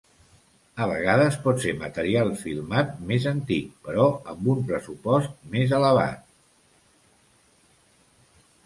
A vegades pot ser material filmat més antic, però amb un pressupost més elevat.